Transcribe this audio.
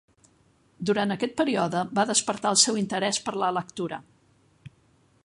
Durant aquest període va despertar el seu interès per la lectura.